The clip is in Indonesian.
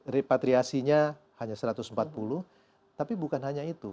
repatriasinya hanya satu ratus empat puluh tapi bukan hanya itu